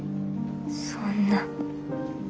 そんな。